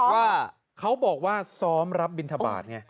ว่าเขาบอกว่าซ้อมรับบิณฑบาทเนี่ย